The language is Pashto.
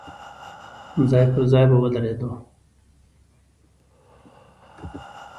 ځای پر ځای به ودرېدو.